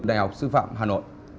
đại học sư phạm hà nội